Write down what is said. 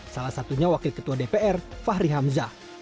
salah satunya wakil ketua dpr fahri hamzah